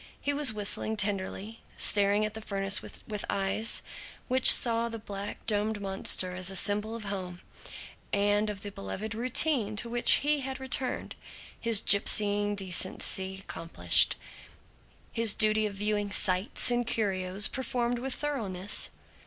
He was whistling tenderly, staring at the furnace with eyes which saw the black domed monster as a symbol of home and of the beloved routine to which he had returned his gipsying decently accomplished, his duty of viewing "sights" and "curios" performed with thoroughness.